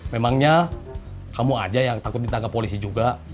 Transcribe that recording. memangnya kamu aja yang takut ditangkap polisi juga